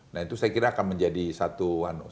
nah itu saya kira akan menjadi satu